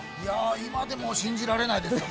今でも信じられないですよね。